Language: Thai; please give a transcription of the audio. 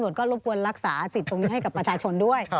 ศึกษาสิทธิ์ตรงนี้ให้กับประชาชนด้วย